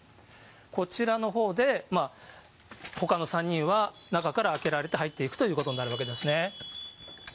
こちらのほうで、ほかの３人は中から開けられて入っていくということになるわけですね。